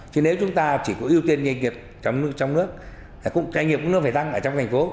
chứ nếu chúng ta chỉ có ưu tiên doanh nghiệp trong nước doanh nghiệp của nước phải tăng ở trong thành phố